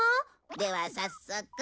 では早速。